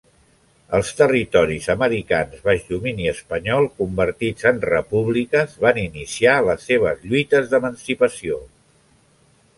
Els territoris americans baix domini espanyol, convertits en Repúbliques, van iniciar les seves lluites d'emancipació.